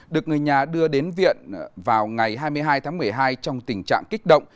được người nhà đưa đến viện vào ngày hai mươi hai tháng một mươi hai trong tình trạng kích động